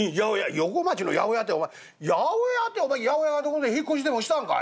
「横町の八百屋ってお前八百屋ってお前八百屋がどこぞ引っ越しでもしたんかい？